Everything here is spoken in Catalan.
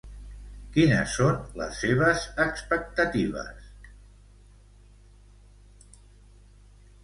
Quines són les seves expectatives?